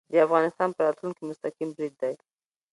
د افغانستان په راتلونکې مستقیم برید دی